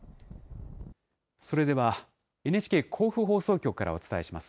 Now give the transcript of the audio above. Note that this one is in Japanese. それではＮＨＫ甲府放送局からお伝えします。